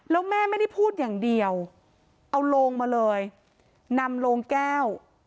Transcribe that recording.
แล้วแม่ไม่ได้พูดอย่างเดียวเอาโลงมาเลยนำโลงแก้ว